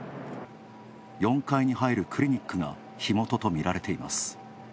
４階に入るクリニックが火元とみられています。